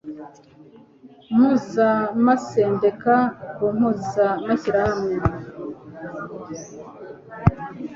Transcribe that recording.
mpuzamasendika ku mpuzamashyirahamwe